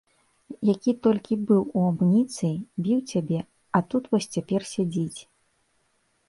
Які толькі быў у амуніцыі, біў цябе, а тут вось цяпер сядзіць.